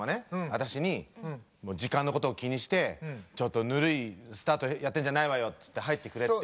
私に時間のことを気にして「ちょっとぬるいスタートやってんじゃないわよ」っつって入ってくれって。